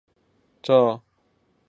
赵惠文王欲与秦国争夺上党。